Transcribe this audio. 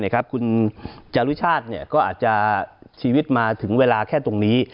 คุณจารุชาติก็อาจจะชีวิตมาถึงเวลาแค่ตรงนี้